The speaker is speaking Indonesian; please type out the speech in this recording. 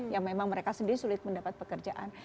yang memang mereka sendiri sulit mendapat pekerjaan